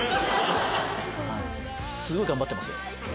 すごい頑張ってますよ。